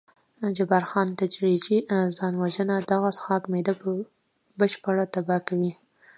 جبار خان: تدریجي ځان وژنه، دغه څښاک معده بشپړه تباه کوي.